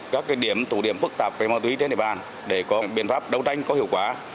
các điểm tủ điểm phức tạp về ma túy trên địa bàn để có biện pháp đấu tranh có hiệu quả